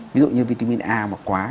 ví dụ như vitamin a mà quá